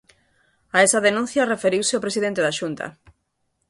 A esa denuncia referiuse o presidente da Xunta.